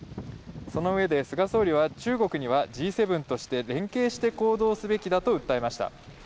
そのうえで、菅総理は中国にはＧ７として連携して行動すべきだと訴えました。